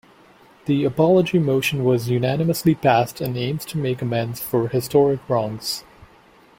The apology motion was unanimously passed and aims to make amends for historic wrongs.